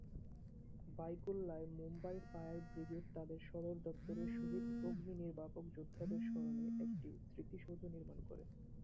বাইকুল্লায় Mumbai fire brigade তাদের সদর দপ্তরে শহিদ অগ্নিনির্বাপক যোদ্ধাদের স্মরণে একটি স্মৃতিসৌধ নির্মাণ করে।